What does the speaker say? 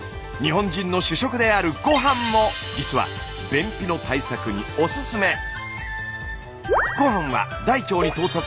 日本人の主食であるご飯も実は便秘の対策におすすめ。